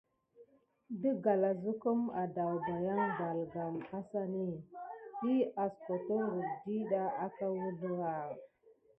Də galazukum adawbayan balgam assani, diy askoke dida aka wuzlera.